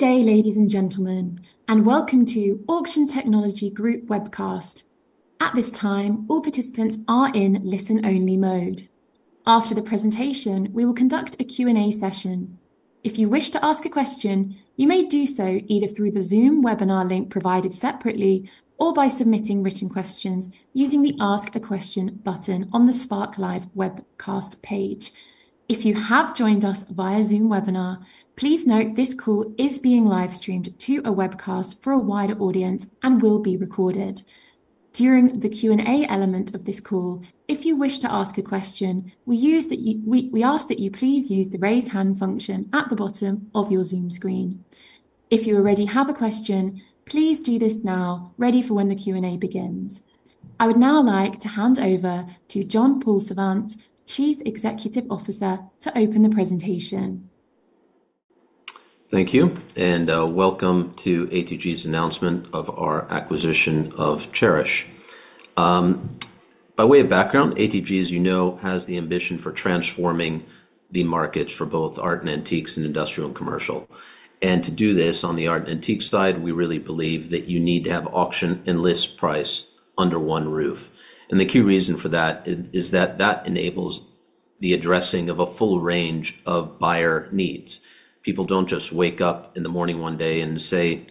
Good day, ladies and gentlemen, and welcome to Auction Technology Group webcast. At this time, all participants are in listen-only mode. After the presentation, we will conduct a Q&A session. If you wish to ask a question, you may do so either through the Zoom webinar link provided separately or by submitting written questions using the Ask a Question button on the Spark Live webcast page. If you have joined us via Zoom webinar, please note this call is being live-streamed to a webcast for a wider audience and will be recorded. During the Q&A element of this call, if you wish to ask a question, we ask that you please use the raise hand function at the bottom of your Zoom screen. If you already have a question, please do this now, ready for when the Q&A begins. I would now like to hand over to John-Paul Savant, Chief Executive Officer, to open the presentation. Thank you, and welcome to ATG's announcement of our acquisition of Chairish. By way of background, ATG, as you know, has the ambition for transforming the markets for both art and antiques, and industrial and commercial. To do this on the art and antiques side, we really believe that you need to have auction and list price under one roof. The key reason for that is that that enables the addressing of a full range of buyer needs. People don't just wake up in the morning one day and say,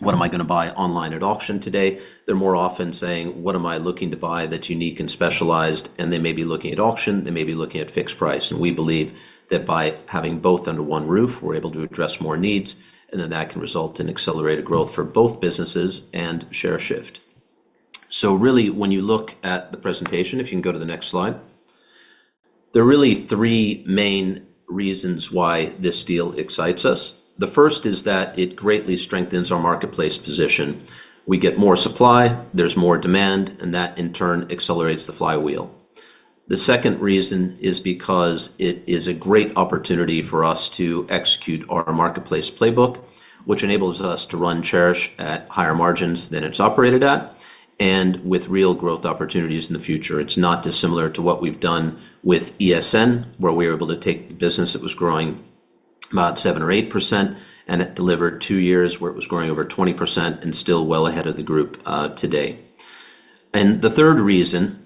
"What am I going to buy online at auction today?" They're more often saying, "What am I looking to buy that's unique and specialized?" They may be looking at auction, they may be looking at fixed price, and we believe that by having both under one roof, we're able to address more needs, and that can result in accelerated growth for both businesses and share shift. Really, when you look at the presentation, if you can go to the next slide, there are really three main reasons why this deal excites us. The first is that it greatly strengthens our marketplace position. We get more supply, there's more demand, and that in turn accelerates the flywheel. The second reason is because it is a great opportunity for us to execute our marketplace playbook, which enables us to run Chairish at higher margins than it's operated at, and with real growth opportunities in the future. It's not dissimilar to what we've done with ESN, where we were able to take a business that was growing about 7 or 8%, and it delivered two years where it was growing over 20% and still well ahead of the group today. The third reason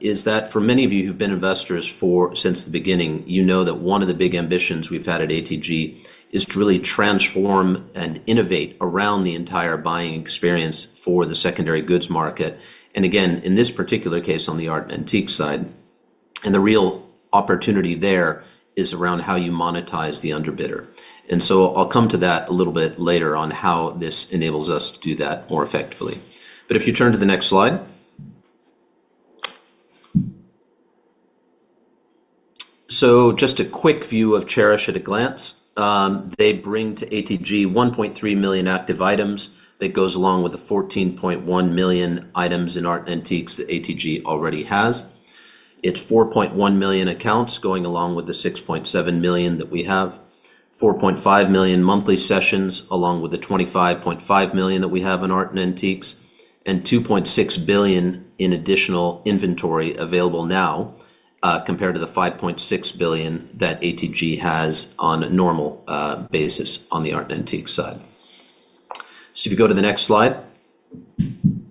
is that for many of you who've been investors since the beginning, you know that one of the big ambitions we've had at ATG is to really transform and innovate around the entire buying experience for the secondary goods market. Again, in this particular case on the art and antiques side, the real opportunity there is around how you monetize the underbidder. I'll come to that a little bit later on how this enables us to do that more effectively. If you turn to the next slide. Just a quick view of Chairish at a glance. They bring to ATG $1.3 million active items. That goes along with the $14.1 million items in art and antiques that ATG already has. It's $4.1 million accounts going along with the $6.7 million that we have, $4.5 million monthly sessions along with the $25.5 million that we have in art and antiques, and $2.6 billion in additional inventory available now compared to the $5.6 billion that ATG has on a normal basis on the art and antiques side. If you go to the next slide, the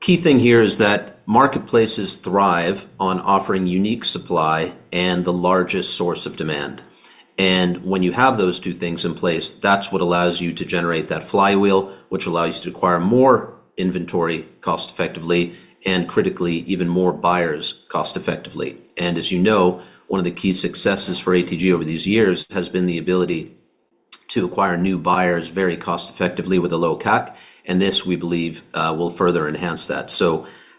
key thing here is that marketplaces thrive on offering unique supply and the largest source of demand. When you have those two things in place, that's what allows you to generate that flywheel, which allows you to acquire more inventory cost-effectively and critically even more buyers cost-effectively. As you know, one of the key successes for ATG over these years has been the ability to acquire new buyers very cost-effectively with a low CAC, and this we believe will further enhance that.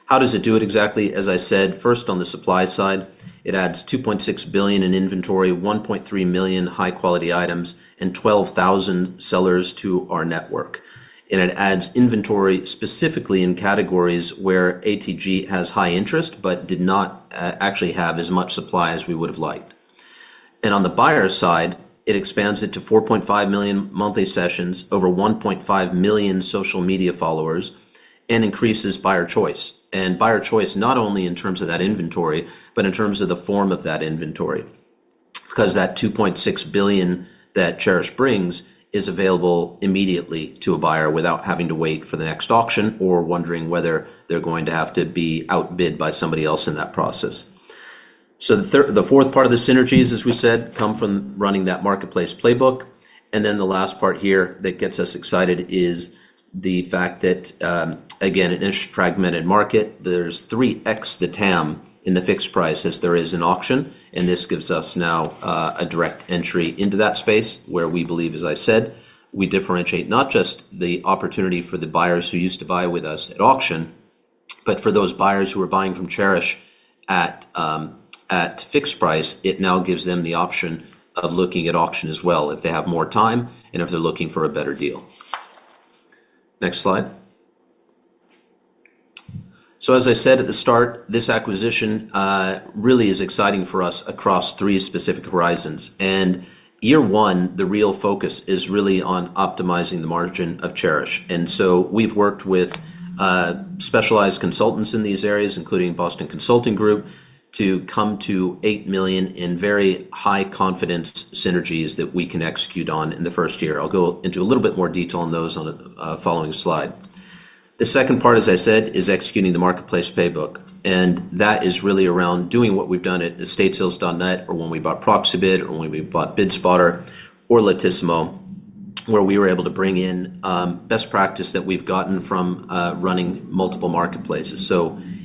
How does it do it exactly? As I said, first on the supply side, it adds $2.6 billion in inventory, $1.3 million high-quality items, and 12,000 sellers to our network. It adds inventory specifically in categories where ATG has high interest but did not actually have as much supply as we would have liked. On the buyer side, it expands it to $4.5 million monthly sessions, over $1.5 million social media followers, and increases buyer choice. Buyer choice not only in terms of that inventory, but in terms of the form of that inventory, because that $2.6 billion that Chairish brings is available immediately to a buyer without having to wait for the next auction or wondering whether they're going to have to be outbid by somebody else in that process. The fourth part of the synergies, as we said, come from running that marketplace playbook. The last part here that gets us excited is the fact that, again, in this fragmented market, there's 3x the TAM in the fixed-price as there is in auction. This gives us now a direct entry into that space where we believe, as I said, we differentiate not just the opportunity for the buyers who used to buy with us at auction, but for those buyers who are buying from Chairish at fixed price, it now gives them the option of looking at auction as well if they have more time and if they're looking for a better deal. As I said at the start, this acquisition really is exciting for us across three specific horizons. In year one, the real focus is really on optimizing the margin of Chairish. We have worked with specialized consultants in these areas, including Boston Consulting Group, to come to $8 million in very high-confidence synergies that we can execute on in the first year. I'll go into a little bit more detail on those on the following slide. The second part, as I said, is executing the marketplace playbook, and that is really around doing what we've done at Estates Hills Donnut or when we bought PropSubit or when we bought BidSpotter or Latissimo, where we were able to bring in best practice that we've gotten from running multiple marketplaces.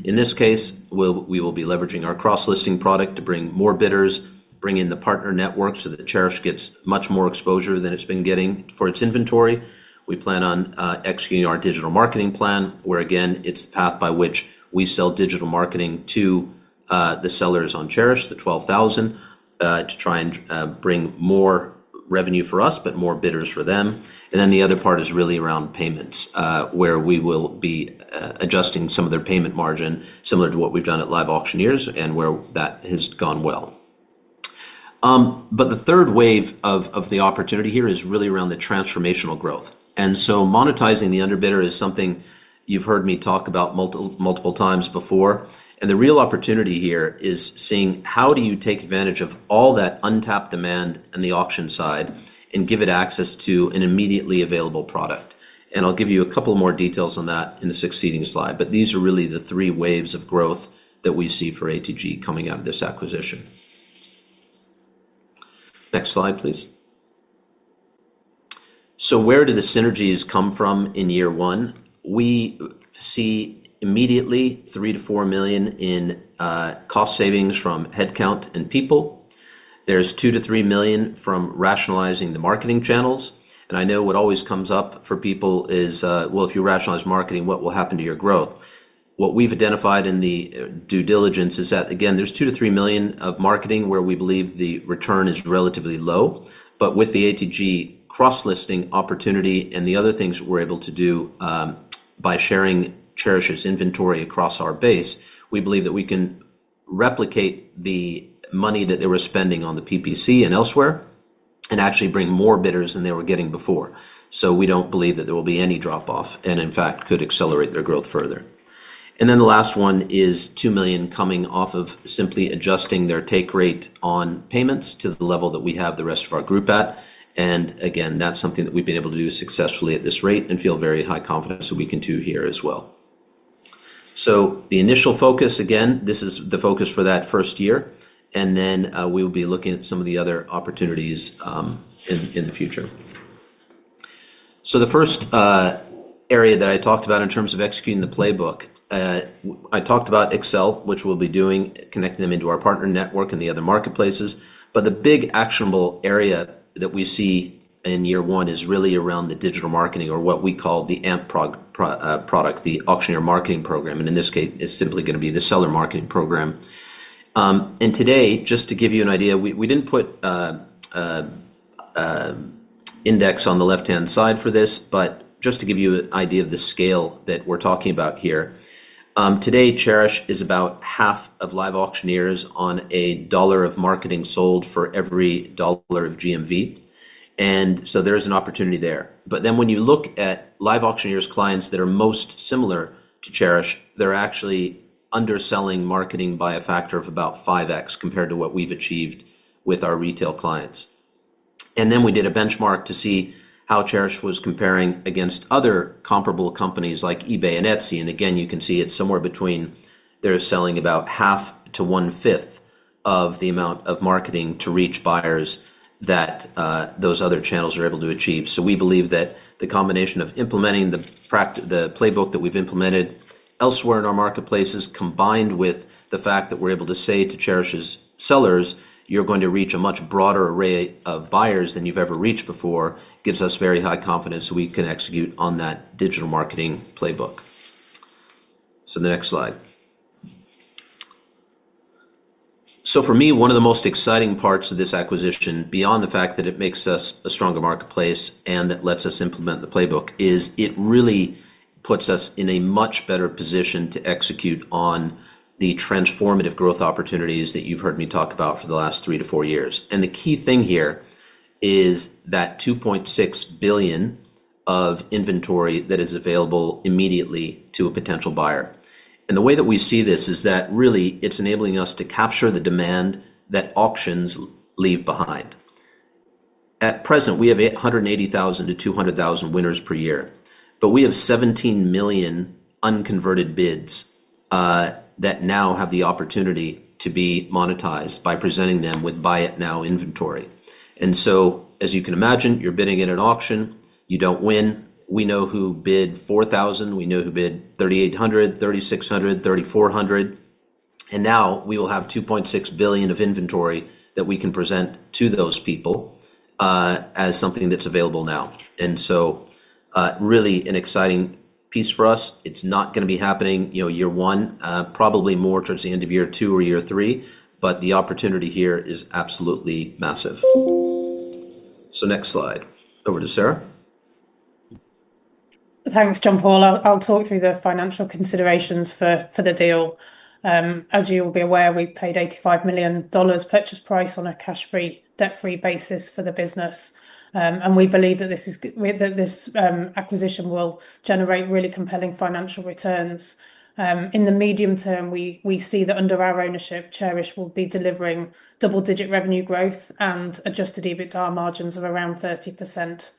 In this case, we will be leveraging our cross-listing product to bring more bidders, bring in the partner networks so that Chairish gets much more exposure than it's been getting for its inventory. We plan on executing our digital marketing plan, where again, it's the path by which we sell digital marketing to the sellers on Chairish, the 12,000, to try and bring more revenue for us, but more bidders for them. The other part is really around payments, where we will be adjusting some of their payment margin similar to what we've done at Live Auctioneers and where that has gone well. The third wave of the opportunity here is really around the transformational growth. Monetizing the underbidder is something you've heard me talk about multiple times before. The real opportunity here is seeing how do you take advantage of all that untapped demand on the auction side and give it access to an immediately available product. I'll give you a couple more details on that in the succeeding slide, but these are really the three waves of growth that we see for ATG coming out of this acquisition. Next slide, please. Where do the synergies come from in year one? We see immediately $3 million-$4 million in cost savings from headcount and people. There's $2 million-$3 million from rationalizing the marketing channels. I know what always comes up for people is, if you rationalize marketing, what will happen to your growth? What we've identified in the due diligence is that, again, there's $2 million-$3 million of marketing where we believe the return is relatively low. With the ATG cross-listing opportunity and the other things we're able to do by sharing Chairish's inventory across our base, we believe that we can replicate the money that they were spending on the PPC and elsewhere and actually bring more bidders than they were getting before. We don't believe that there will be any drop-off and in fact could accelerate their growth further. The last one is $2 million coming off of simply adjusting their take rate on payments to the level that we have the rest of our group at. That's something that we've been able to do successfully at this rate and feel very high confidence that we can do here as well. The initial focus, again, this is the focus for that first year, and then we will be looking at some of the other opportunities in the future. The first area that I talked about in terms of executing the playbook, I talked about ATG Excel, which we'll be doing, connecting them into our partner network and the other marketplaces. The big actionable area that we see in year one is really around the digital marketing or what we call the AMP product, the Auctioneer Marketing Program. In this case, it's simply going to be the Seller Marketing Program. Today, just to give you an idea, we didn't put an index on the left-hand side for this, but just to give you an idea of the scale that we're talking about here, today Chairish is about half of LiveAuctioneers on a dollar of marketing sold for every dollar of GMV. There is an opportunity there. When you look at LiveAuctioneers' clients that are most similar to Chairish, they're actually underselling marketing by a factor of about 5X compared to what we've achieved with our retail clients. We did a benchmark to see how Chairish was comparing against other comparable companies like eBay and Etsy. You can see it's somewhere between they're selling about half to one-fifth of the amount of marketing to reach buyers that those other channels are able to achieve. We believe that the combination of implementing the playbook that we've implemented elsewhere in our marketplaces, combined with the fact that we're able to say to Chairish's sellers, "You're going to reach a much broader array of buyers than you've ever reached before," gives us very high confidence we can execute on that digital marketing playbook. The next slide. For me, one of the most exciting parts of this acquisition, beyond the fact that it makes us a stronger marketplace and that lets us implement the playbook, is it really puts us in a much better position to execute on the transformative growth opportunities that you've heard me talk about for the last three to four years. The key thing here is that $2.6 billion of inventory is available immediately to a potential buyer. The way that we see this is that really it's enabling us to capture the demand that auctions leave behind. At present, we have 180,000-200,000 winners per year, but we have $17 million unconverted bids that now have the opportunity to be monetized by presenting them with buy-it-now inventory. As you can imagine, you're bidding in an auction, you don't win, we know who bid $4,000, we know who bid $3,800, $3,600, $3,400, and now we will have $2.6 billion of inventory that we can present to those people as something that's available now. This is really an exciting piece for us. It's not going to be happening year one, probably more towards the end of year two or year three, but the opportunity here is absolutely massive. Next slide. Over to Sarah. Thanks, John-Paul. I'll talk through the financial considerations for the deal. As you will be aware, we've paid $85 million purchase price on a cash-free, debt-free basis for the business. We believe that this acquisition will generate really compelling financial returns. In the medium term, we see that under our ownership, Chairish will be delivering double-digit revenue growth and adjusted EBITDA margins of around 30%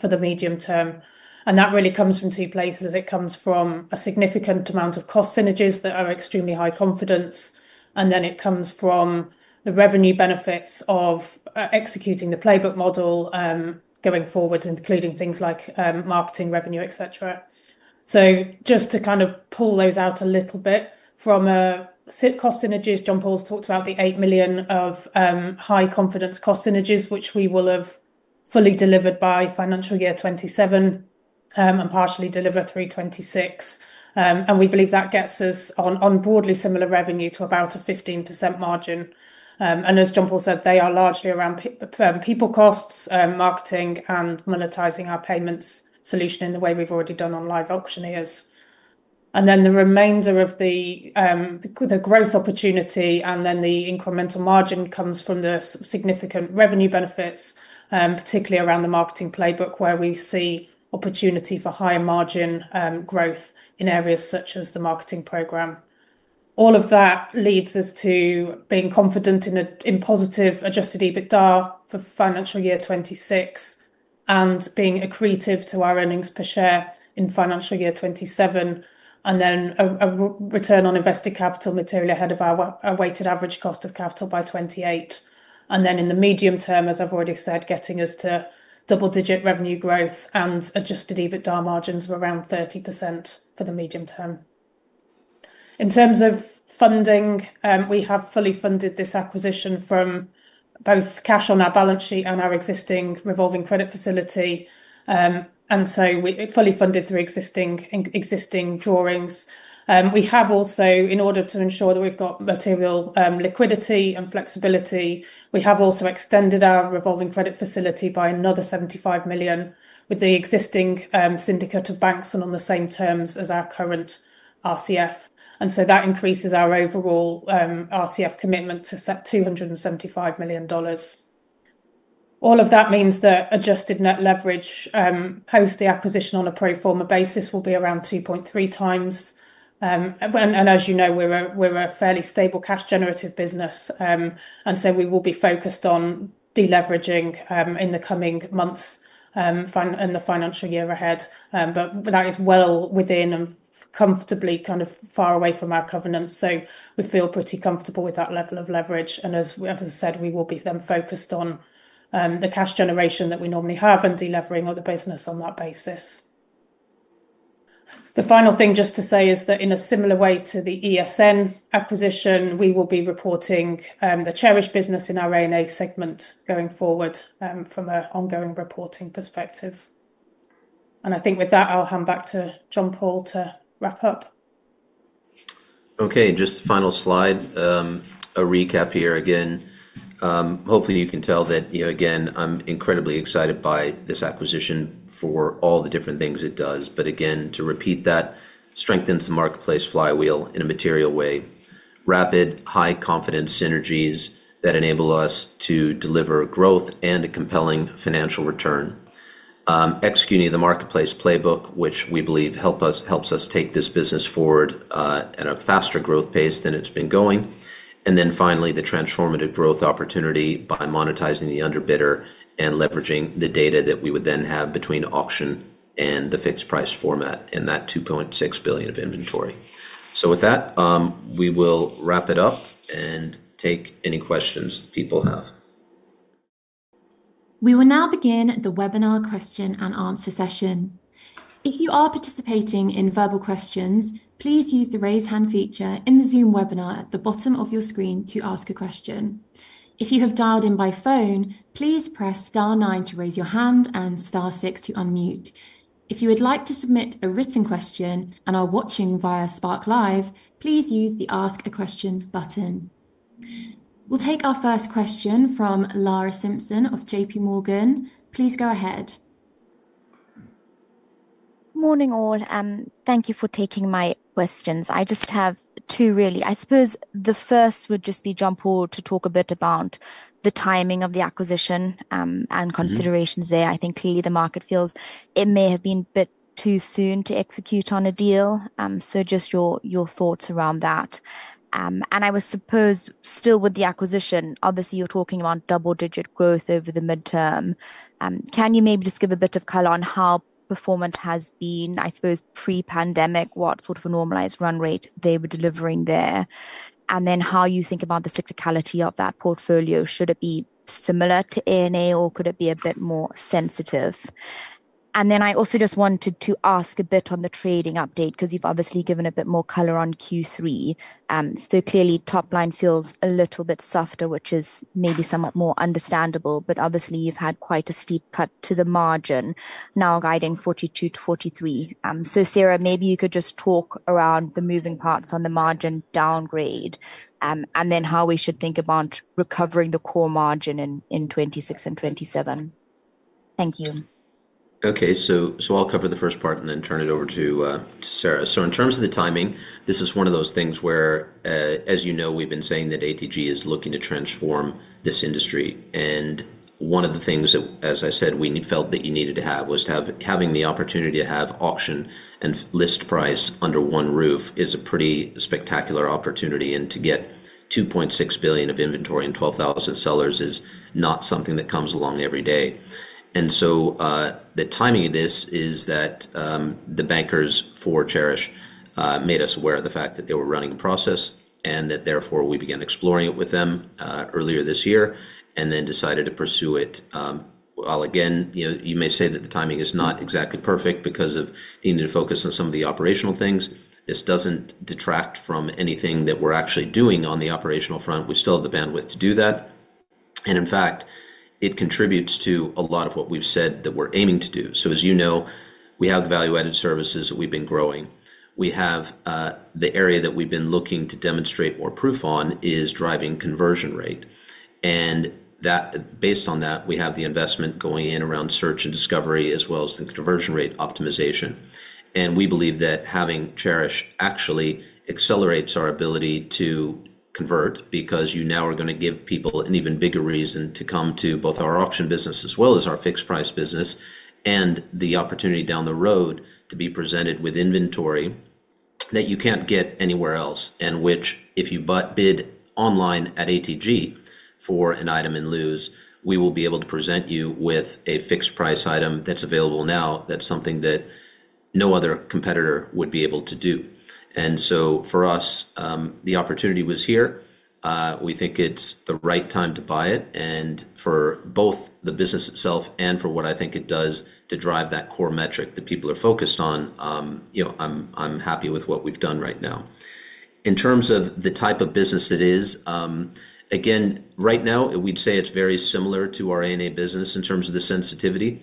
for the medium term. That really comes from two places. It comes from a significant amount of cost synergies that are extremely high confidence, and it comes from the revenue benefits of executing the playbook model going forward, including things like marketing revenue, etc. Just to kind of pull those out a little bit from a cost synergies, John-Paul's talked about the $8 million of high-confidence cost synergies, which we will have fully delivered by financial year 2027 and partially deliver through 2026. We believe that gets us on broadly similar revenue to about a 15% margin. As John-Paul said, they are largely around people costs, marketing, and monetizing our payments solution in the way we've already done on Live Auctioneers. The remainder of the growth opportunity and the incremental margin comes from the significant revenue benefits, particularly around the marketing playbook where we see opportunity for higher margin growth in areas such as the marketing program. All of that leads us to being confident in positive adjusted EBITDA for financial year 2026 and being accretive to our earnings per share in financial year 2027, and a return on invested capital material ahead of our weighted average cost of capital by 2028. In the medium term, as I've already said, getting us to double-digit revenue growth and adjusted EBITDA margins of around 30% for the medium term. In terms of funding, we have fully funded this acquisition from both cash on our balance sheet and our existing revolving credit facility, so we're fully funded through existing drawings. In order to ensure that we've got material liquidity and flexibility, we have also extended our revolving credit facility by another $75 million with the existing syndicate of banks and on the same terms as our current RCF. That increases our overall RCF commitment to $275 million. All of that means that adjusted net leverage post the acquisition on a pro forma basis will be around 2.3 times. As you know, we're a fairly stable cash-generative business. We will be focused on deleveraging in the coming months and the financial year ahead. That is well within and comfortably kind of far away from our covenants. We feel pretty comfortable with that level of leverage. As I said, we will be then focused on the cash generation that we normally have and delivering the business on that basis. The final thing just to say is that in a similar way to the ESN acquisition, we will be reporting the Chairish, Inc. business in our A&A segment going forward from an ongoing reporting perspective. I think with that, I'll hand back to John-Paul to wrap up. Okay, just final slide. A recap here again. Hopefully, you can tell that, you know, again, I'm incredibly excited by this acquisition for all the different things it does. To repeat that, it strengthens the marketplace flywheel in a material way. Rapid, high-confidence synergies that enable us to deliver growth and a compelling financial return. Executing the marketplace playbook, which we believe helps us take this business forward at a faster growth pace than it's been going. Finally, the transformative growth opportunity by monetizing the underbidder and leveraging the data that we would then have between auction and the fixed-price format in that $2.6 billion of inventory. With that, we will wrap it up and take any questions that people have. We will now begin the webinar question and answer session. If you are participating in verbal questions, please use the raise hand feature in the Zoom webinar at the bottom of your screen to ask a question. If you have dialed in by phone, please press star nine to raise your hand and star six to unmute. If you would like to submit a written question and are watching via Spark Live, please use the ask a question button. We'll take our first question from Lara Simpson of JPMorgan. Please go ahead. Morning all. Thank you for taking my questions. I just have two really. I suppose the first would just be, John-Paul, to talk a bit about the timing of the acquisition and considerations there. I think clearly the market feels it may have been a bit too soon to execute on a deal. Just your thoughts around that. I suppose still with the acquisition, obviously you're talking about double-digit growth over the midterm. Can you maybe just give a bit of color on how performance has been, I suppose, pre-pandemic, what sort of a normalized run rate they were delivering there, and then how you think about the cyclicality of that portfolio? Should it be similar to A&A or could it be a bit more sensitive? I also just wanted to ask a bit on the trading update because you've obviously given a bit more color on Q3. Clearly top line feels a little bit softer, which is maybe somewhat more understandable, but obviously you've had quite a steep cut to the margin now guiding 42%-43%. Sarah, maybe you could just talk around the moving parts on the margin downgrade and then how we should think about recovering the core margin in 2026 and 2027. Thank you. Okay, so I'll cover the first part and then turn it over to Sarah. In terms of the timing, this is one of those things where, as you know, we've been saying that ATG is looking to transform this industry. One of the things that, as I said, we felt that you needed to have was having the opportunity to have auction and list price under one roof is a pretty spectacular opportunity. To get $2.6 billion of inventory and 12,000 sellers is not something that comes along every day. The timing of this is that the bankers for Chairish, Inc. made us aware of the fact that they were running a process and that therefore we began exploring it with them earlier this year and then decided to pursue it. You may say that the timing is not exactly perfect because of needing to focus on some of the operational things. This doesn't detract from anything that we're actually doing on the operational front. We still have the bandwidth to do that. In fact, it contributes to a lot of what we've said that we're aiming to do. As you know, we have the value-added services that we've been growing. The area that we've been looking to demonstrate more proof on is driving conversion rate. Based on that, we have the investment going in around search and discovery as well as the conversion rate optimization. We believe that having Chairish, Inc. actually accelerates our ability to convert because you now are going to give people an even bigger reason to come to both our auction business as well as our fixed-price business and the opportunity down the road to be presented with inventory that you can't get anywhere else. If you bid online at ATG for an item and lose, we will be able to present you with a fixed-price item that's available now. That's something that no other competitor would be able to do. For us, the opportunity was here. We think it's the right time to buy it. For both the business itself and for what I think it does to drive that core metric that people are focused on, I'm happy with what we've done right now. In terms of the type of business it is, right now we'd say it's very similar to our A&A business in terms of the sensitivity.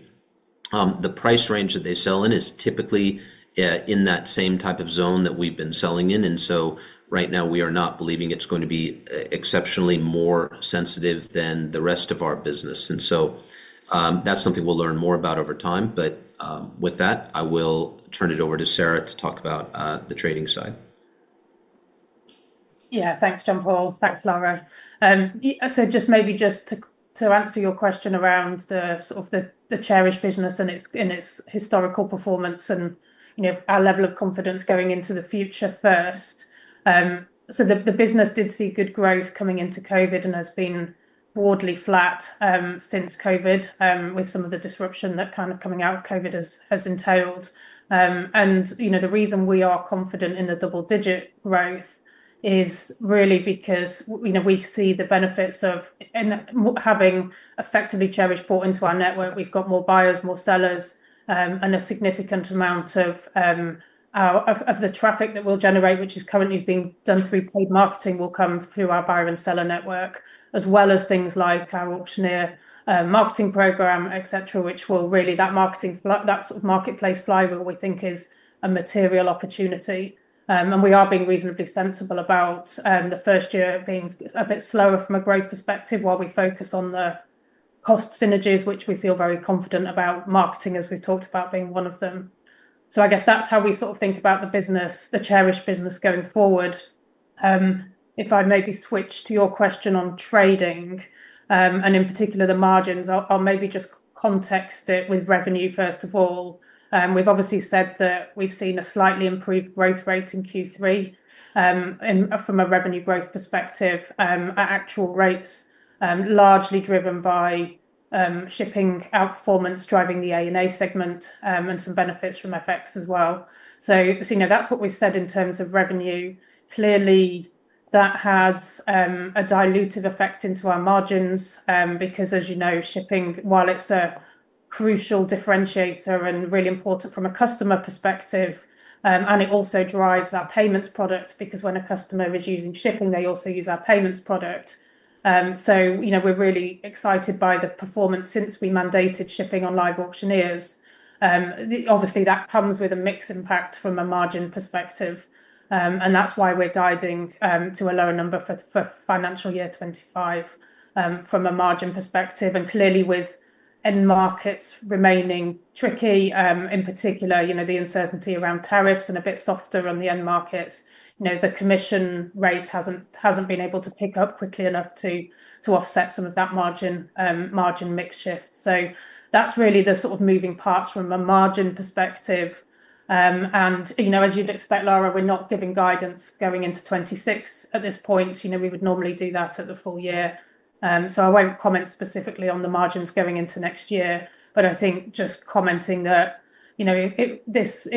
The price range that they sell in is typically in that same type of zone that we've been selling in. Right now we are not believing it's going to be exceptionally more sensitive than the rest of our business. That's something we'll learn more about over time. With that, I will turn it over to Sarah to talk about the trading side. Yeah, thanks, John-Paul. Thanks, Lara. Just to answer your question around the sort of the Chairish business and its historical performance and our level of confidence going into the future first. The business did see good growth coming into COVID and has been broadly flat since COVID with some of the disruption that coming out of COVID has entailed. The reason we are confident in the double-digit growth is really because we see the benefits of having effectively Chairish bought into our network. We've got more buyers, more sellers, and a significant amount of the traffic that we'll generate, which is currently being done through paid marketing, will come through our buyer and seller network, as well as things like our auctioneer marketing program, etc., which will really drive that marketplace flywheel we think is a material opportunity. We are being reasonably sensible about the first year being a bit slower from a growth perspective while we focus on the cost synergies, which we feel very confident about, marketing as we've talked about being one of them. That's how we sort of think about the business, the Chairish business going forward. If I switch to your question on trading, and in particular the margins, I'll just context it with revenue first of all. We've obviously said that we've seen a slightly improved growth rate in Q3 from a revenue growth perspective, our actual rates largely driven by shipping outperformance driving the A&A segment and some benefits from FX as well. That's what we've said in terms of revenue. Clearly, that has a diluted effect into our margins because, as you know, shipping, while it's a crucial differentiator and really important from a customer perspective, it also drives our payments product because when a customer is using shipping, they also use our payments product. We're really excited by the performance since we mandated shipping on Live Auctioneers. Obviously, that comes with a mixed impact from a margin perspective. That's why we're guiding to a lower number for financial year 2025 from a margin perspective. Clearly, with end markets remaining tricky, in particular, the uncertainty around tariffs and a bit softer on the end markets, the commission rate hasn't been able to pick up quickly enough to offset some of that margin mix shift. That's really the sort of moving parts from a margin perspective. As you'd expect, Lara, we're not giving guidance going into 2026 at this point. We would normally do that at the full year. I won't comment specifically on the margins going into next year, but I think just commenting that this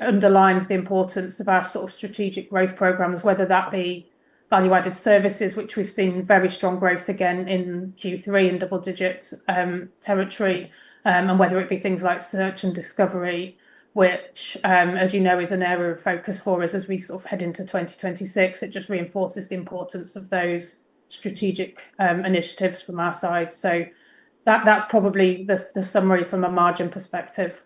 underlines the importance of our strategic growth programs, whether that be value-added services, which we've seen very strong growth again in Q3 in double-digit territory, and whether it be things like search and discovery, which, as you know, is an area of focus for us as we head into 2026. It just reinforces the importance of those strategic initiatives from our side. That's probably the summary from a margin perspective.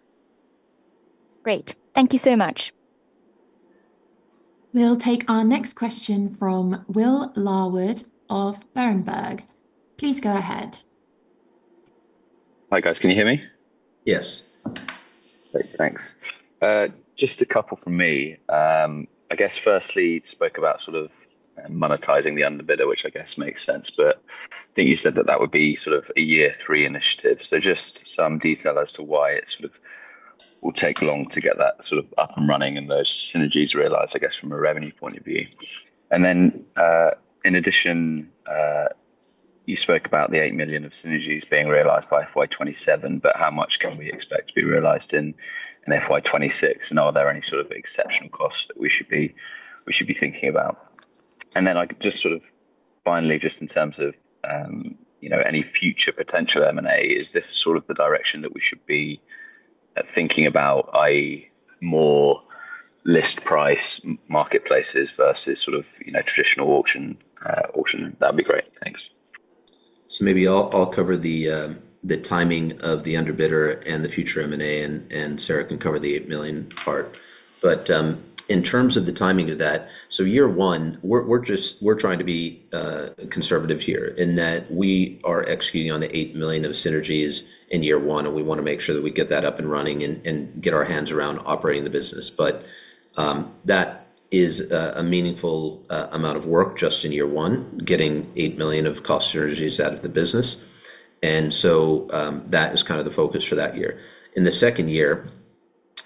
Great. Thank you so much. We'll take our next question from Willam Larwood of Berenberg. Please go ahead. Hi guys, can you hear me? Yes. Great, thanks. Just a couple from me. I guess firstly you spoke about sort of monetizing the underbidder, which I guess makes sense, but I think you said that that would be sort of a year three initiative. Just some detail as to why it will take long to get that up and running and those synergies realized, I guess, from a revenue point of view. In addition, you spoke about the $8 million of synergies being realized by FY 2027, but how much can we expect to be realized in FY 2026, and are there any exception costs that we should be thinking about? Finally, just in terms of any future potential M&A, is this the direction that we should be thinking about, i.e., more fixed-price marketplaces versus traditional auction? That would be great, thanks. Maybe I'll cover the timing of the underbidder and the future M&A, and Sarah can cover the $8 million part. In terms of the timing of that, year one, we're just trying to be conservative here in that we are executing on the $8 million of synergies in year one, and we want to make sure that we get that up and running and get our hands around operating the business. That is a meaningful amount of work just in year one, getting $8 million of cost synergies out of the business, and that is kind of the focus for that year. In the second year,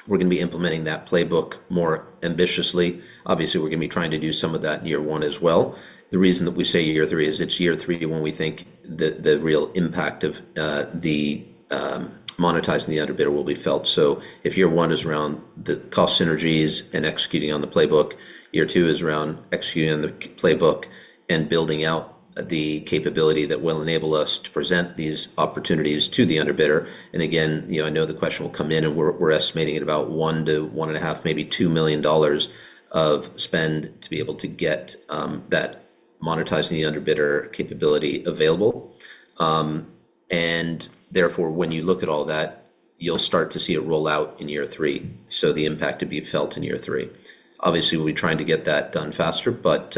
we're going to be implementing that playbook more ambitiously. Obviously, we're going to be trying to do some of that in year one as well. The reason that we say year three is it's year three when we think that the real impact of monetizing the underbidder will be felt. If year one is around the cost synergies and executing on the playbook, year two is around executing on the playbook and building out the capability that will enable us to present these opportunities to the underbidder. I know the question will come in, and we're estimating it at about $1 million -$1.5 million, maybe $2 million of spend to be able to get that monetizing the underbidder capability available. Therefore, when you look at all that, you'll start to see it roll out in year three, so the impact to be felt in year three. Obviously, we'll be trying to get that done faster, but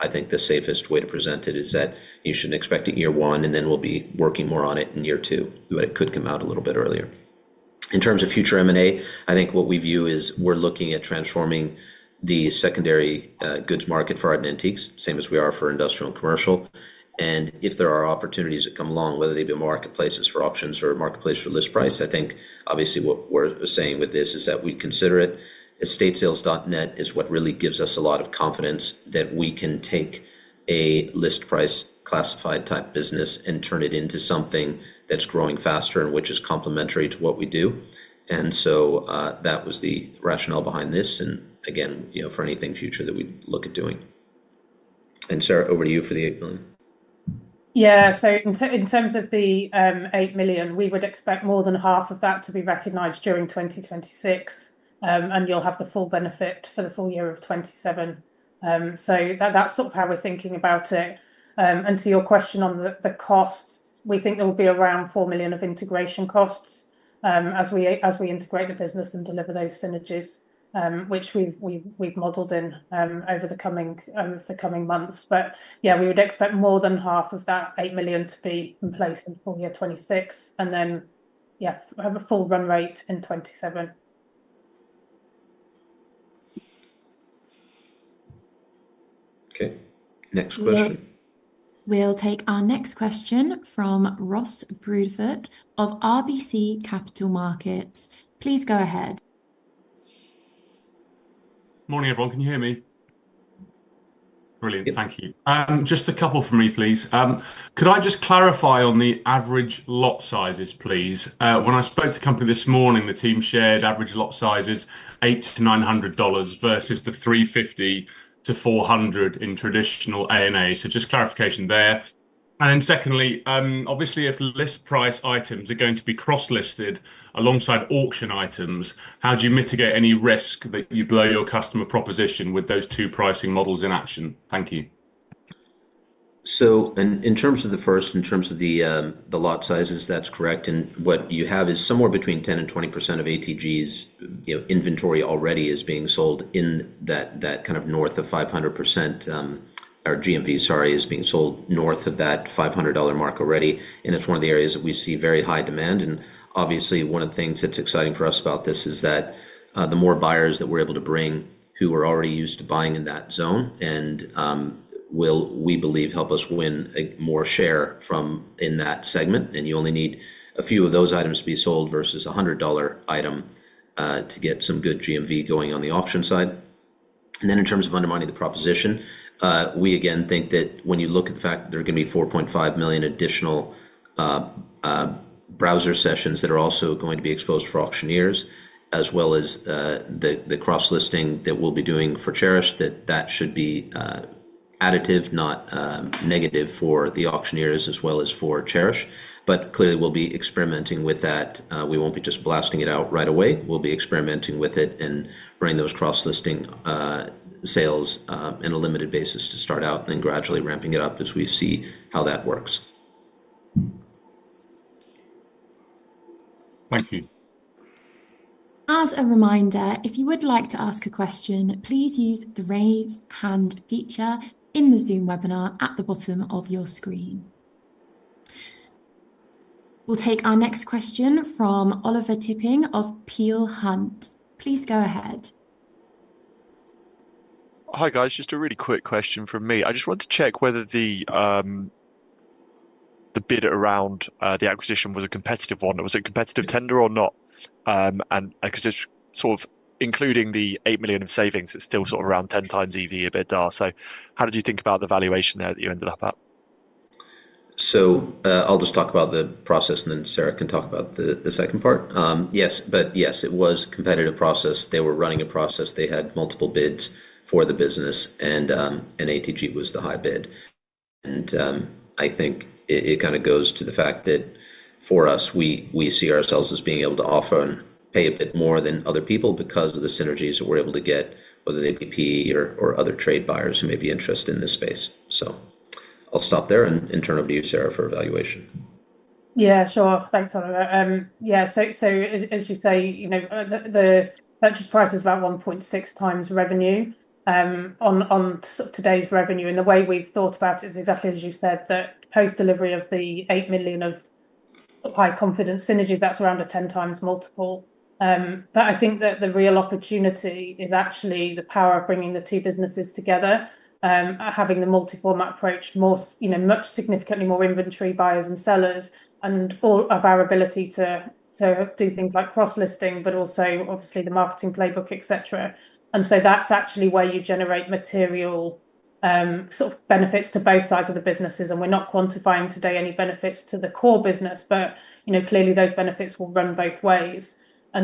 I think the safest way to present it is that you shouldn't expect it in year one, and then we'll be working more on it in year two, but it could come out a little bit earlier. In terms of future M&A, what we view is we're looking at transforming the secondary goods market for art and antiques, same as we are for industrial and commercial. If there are opportunities that come along, whether they be marketplaces for auctions or marketplaces for list price, what we're saying with this is that we consider estatesales.net is what really gives us a lot of confidence that we can take a list price classified type business and turn it into something that's growing faster and which is complementary to what we do. That was the rationale behind this. For anything future that we look at doing. Sarah, over to you for the $8 million. Yeah, in terms of the $8 million, we would expect more than half of that to be recognized during 2026, and you'll have the full benefit for the full year of 2027. That's sort of how we're thinking about it. To your question on the costs, we think there will be around $4 million of integration costs as we integrate the business and deliver those synergies, which we've modeled in over the coming months. We would expect more than half of that $8 million to be in place before year 2026, and then have a full run rate in 2027. Okay, next question. We'll take our next question from Ross Broadfoot of RBC Capital Markets. Please go ahead. Morning everyone, can you hear me? Brilliant, thank you. Just a couple from me, please. Could I just clarify on the average lot sizes, please? When I spoke to the company this morning, the team shared average lot sizes $800-$900 versus the $350-$400 in traditional A&A. Just clarification there. Secondly, obviously if list price items are going to be cross-listed alongside auction items, how do you mitigate any risk that you blow your customer proposition with those two pricing models in action? Thank you. In terms of the first, in terms of the lot sizes, that's correct. What you have is somewhere between 10% and 20% of ATG's inventory already is being sold in that kind of north of 500%. Our GMV, sorry, is being sold north of that $500 mark already. It's one of the areas that we see very high demand. Obviously, one of the things that's exciting for us about this is that the more buyers that we're able to bring who are already used to buying in that zone will, we believe, help us win more share from in that segment. You only need a few of those items to be sold versus a $100 item to get some good GMV going on the auction side. In terms of undermining the proposition, we again think that when you look at the fact that there are going to be $4.5 million additional browser sessions that are also going to be exposed for auctioneers, as well as the cross-listing that we'll be doing for Chairish, that should be additive, not negative for the auctioneers as well as for Chairish. Clearly, we'll be experimenting with that. We won't be just blasting it out right away. We'll be experimenting with it and bringing those cross-listing sales on a limited basis to start out and then gradually ramping it up as we see how that works. Thank you. As a reminder, if you would like to ask a question, please use the raise hand feature in the Zoom webinar at the bottom of your screen. We'll take our next question from Oliver Tipping of Peel Hunt. Please go ahead. Hi guys, just a really quick question from me. I just wanted to check whether the bid around the acquisition was a competitive one. Was it a competitive tender or not? Because it's sort of including the $8 million of savings, it's still sort of around 10 times EV/EBITDA. How did you think about the valuation there that you ended up at? I'll just talk about the process and then Sarah can talk about the second part. Yes, it was a competitive process. They were running a process. They had multiple bids for the business and ATG was the high bid. I think it kind of goes to the fact that for us, we see ourselves as being able to often pay a bit more than other people because of the synergies that we're able to get with ATG or other trade buyers who may be interested in this space. I'll stop there and turn it over to you, Sarah, for evaluation. Yeah, sure. Thanks, Oliver. Yeah, as you say, the purchase price is about 1.6 times revenue on today's revenue. The way we've thought about it is exactly as you said, the post-delivery of the $8 million of high-confidence synergies, that's around a 10 times multiple. I think that the real opportunity is actually the power of bringing the two businesses together, having the multi-format approach, significantly more inventory, buyers, and sellers, and all of our ability to do things like cross-listing, but also obviously the marketing playbook, etc. That's actually where you generate material sort of benefits to both sides of the businesses. We're not quantifying today any benefits to the core business, but clearly those benefits will run both ways. I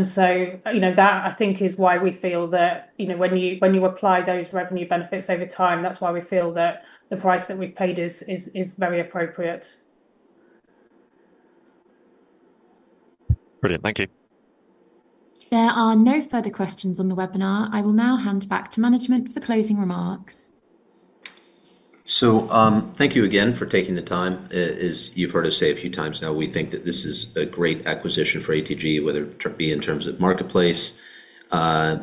think that is why we feel that when you apply those revenue benefits over time, that's why we feel that the price that we've paid is very appropriate. Brilliant, thank you. There are no further questions on the webinar. I will now hand back to management for closing remarks. Thank you again for taking the time. As you've heard us say a few times now, we think that this is a great acquisition for Auction Technology Group, whether it be in terms of marketplace, a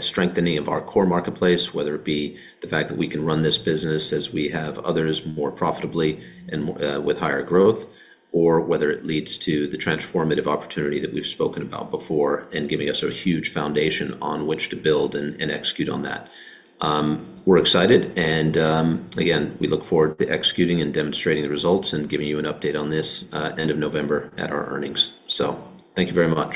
strengthening of our core marketplace, whether it be the fact that we can run this business as we have others more profitably and with higher growth, or whether it leads to the transformative opportunity that we've spoken about before and giving us a huge foundation on which to build and execute on that. We're excited and we look forward to executing and demonstrating the results and giving you an update on this end of November at our earnings. Thank you very much.